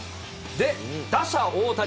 で、打者、大谷。